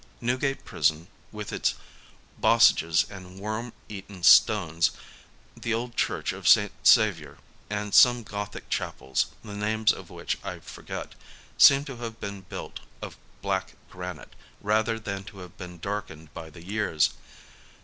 Newgate prison, with, its bossages and worm eaten stones, the old church of St. Saviour, and some Gothic chapels, the names of which I forget, seem to have been built of black granite rather than to have been darkened by the years.